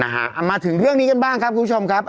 เอามาถึงเรื่องนี้กันบ้างครับคุณผู้ชมครับ